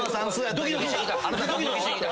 ドキドキしてきた。